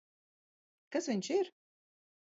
Kas viņš ir?